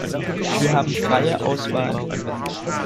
Sie haben freie Auswahl.